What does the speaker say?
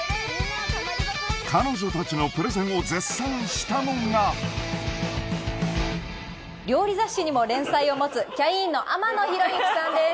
彼女たちのプレゼンを料理雑誌にも連載を持つキャインの天野ひろゆきさんです。